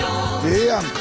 ええやんか。